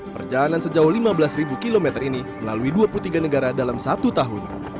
perjalanan sejauh lima belas km ini melalui dua puluh tiga negara dalam satu tahun